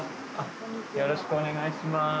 よろしくお願いします。